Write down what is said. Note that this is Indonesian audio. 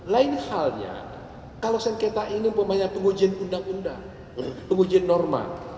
lain halnya kalau sengketa ini umpamanya pengujian undang undang pengujian norma